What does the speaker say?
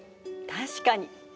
確かに。